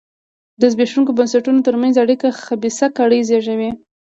د زبېښونکو بنسټونو ترمنځ اړیکه خبیثه کړۍ زېږوي.